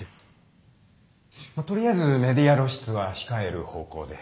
まあとりあえずメディア露出は控える方向で。